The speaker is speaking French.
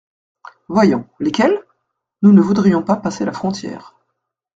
Voyons ; lesquelles ? »Nous ne voudrions pas passer la frontière.